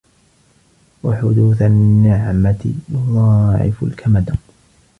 وَحُدُوثَ النِّعْمَةِ يُضَاعِفُ الْكَمَدَ